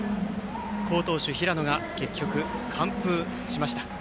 好投手、平野が結局完封しました。